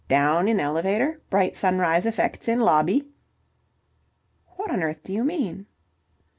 Down in elevator. Bright sunrise effects in lobby." "What on earth do you mean?"